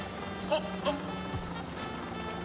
あっ！